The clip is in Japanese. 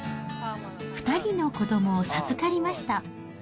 ２人の子どもを授かりました。